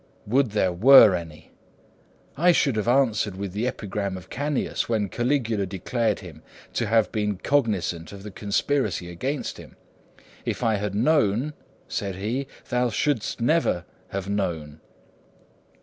Would there were any! I should have answered with the epigram of Canius when Caligula declared him to have been cognisant of a conspiracy against him. "If I had known," said he, "thou shouldst never have known."